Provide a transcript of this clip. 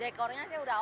dekornya sih udah oke